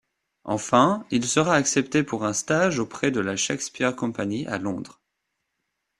Enfin, il sera accepté pour un stage auprès de la Shakespeare Company à Londres.